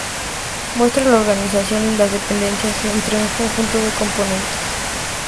Muestra la organización y las dependencias entre un conjunto de componentes.